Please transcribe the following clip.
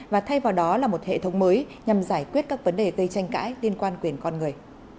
và thay vào đó là một hệ thống mới nhằm giải quyết các vấn đề gây tranh cãi liên quan quyền con người